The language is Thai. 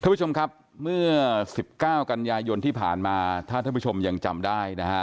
ผู้ชมครับเมื่อ๑๙กันยายนที่ผ่านมาถ้าท่านผู้ชมยังจำได้นะฮะ